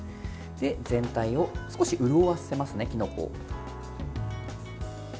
全体を少し潤わせますねきのこを。